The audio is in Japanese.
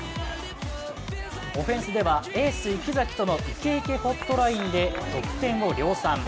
オフェンスではエース・池崎とのイケイケホットラインで得点を量産。